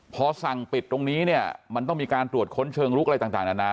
พอสั่งปิดตรงนี้เนี่ยมันต้องมีการตรวจค้นเชิงลุกอะไรต่างนานา